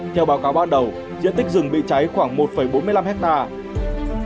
theo báo cáo ban đầu diện tích rừng bị cháy khoảng một bốn mươi năm hectare